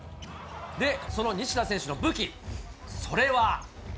その西田選手の武器、それは。